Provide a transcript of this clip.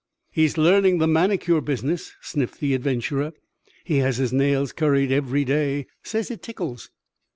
"He's learning the manicure business," sniffed the adventurer. "He has his nails curried every day. Says it tickles."